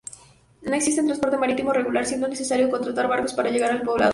No existe transporte marítimo regular, siendo necesario contratar barcos para llegar al poblado.